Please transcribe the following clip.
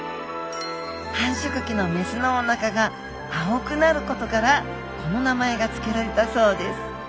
繁殖期のメスのおなかが青くなることからこの名前が付けられたそうです。